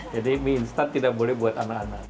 jadi mie instan tidak boleh buat anak anak